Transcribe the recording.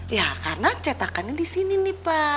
ya karena cetakannya di sini nih pak